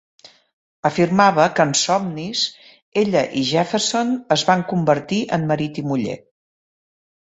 Afirmava que en somnis, ella i Jefferson es van convertir en marit i muller.